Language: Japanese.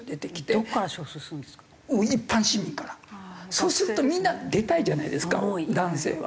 そうするとみんな出たいじゃないですか男性は。